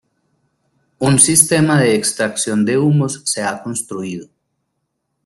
Un sistema de extracción de humos se ha construido.